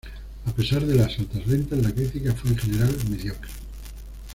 A pesar de las altas ventas, la crítica fue en general mediocre.